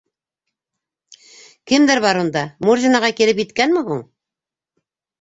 — Кемдәр бар унда, Мурзин ағай килеп еткәнме һуң?